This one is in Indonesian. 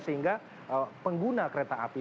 sehingga pengguna kereta api